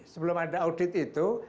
sebelum ada audit itu